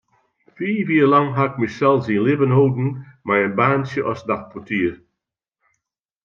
Fiif jier lang ha ik mysels yn libben holden mei in baantsje as nachtportier.